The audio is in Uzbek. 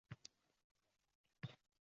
Tuman hokimi hasharchilar huzurida